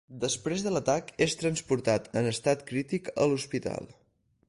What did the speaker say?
Després de l'atac, és transportat en estat crític a l'hospital.